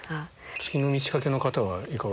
『月の満ち欠け』の方はいかがですか？